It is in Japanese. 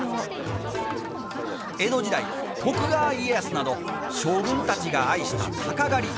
江戸時代、徳川家康など将軍たちが愛した、たか狩り。